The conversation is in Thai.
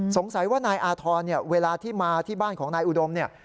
สงสัยว่านายอาธรณ์เนี่ยเวลาที่มาที่บ้านของนายอุดมเนี่ย